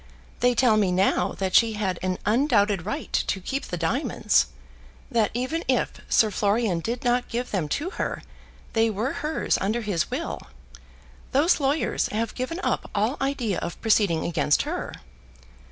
They tell me now that she had an undoubted right to keep the diamonds; that even if Sir Florian did not give them to her, they were hers under his will. Those lawyers have given up all idea of proceeding against her."